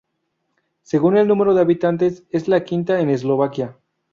Según el número de habitantes es la quinta en Eslovaquia.